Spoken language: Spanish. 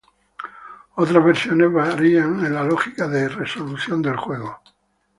Otras versiones varían en la lógica de resolución del juego.